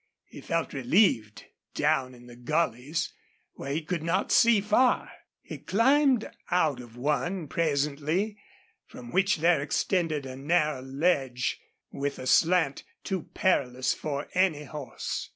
He felt relieved down in the gullies, where he could not see far. He climbed out of one, presently, from which there extended a narrow ledge with a slant too perilous for any horse.